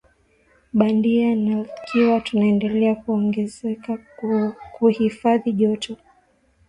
bandia naIkiwa tunaendelea kuongezeka kuhifadhi joto